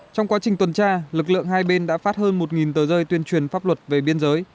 trong quá trình tuần tra lực lượng hai bên đã phát hơn một tờ rơi tuyên truyền pháp luật về biên giới